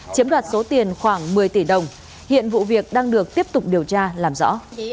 chiếm đoạt số tiền khoảng một mươi tỷ đồng hiện vụ việc đang được tiếp tục điều tra làm rõ